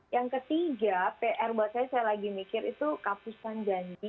yang ketiga pr buat saya saya lagi mikir itu kapusan janji